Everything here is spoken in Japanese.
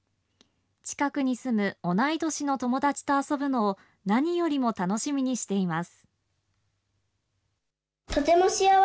近くに住む同い年の友達と遊ぶのを何よりも楽しみにしています。